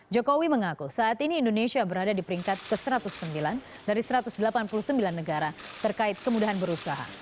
jokowi mengaku saat ini indonesia berada di peringkat ke satu ratus sembilan dari satu ratus delapan puluh sembilan negara terkait kemudahan berusaha